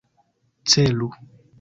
Celu!